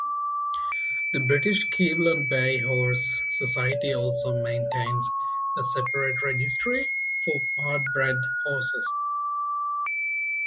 The British Cleveland Bay Horse Society also maintains a separate registry for part-bred horses.